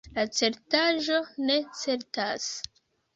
La certaĵo ne certas.